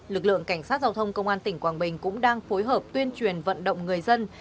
lực lượng cảnh sát giao thông công an tỉnh quảng bình cũng đang phối hợp tuyên truyền vận động người dân